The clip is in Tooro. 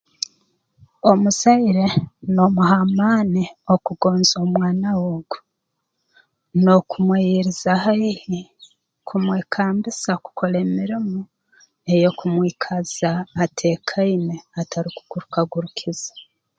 Omuzaire n'omuha amaani okugonza omwana we ogu n'okumweyiriza haihi kumwekambisa kukora emirimo ey'okumwikaza ateekaine atarukuguruka gurukiza